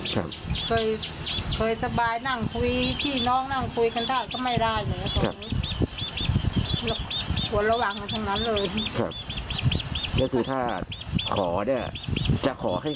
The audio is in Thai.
คือการใช้ชีวิตนี้ลำบากเลย